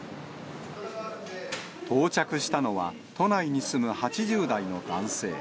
到着したのは、都内に住む８０代の男性。